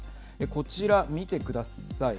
こちら、見てください。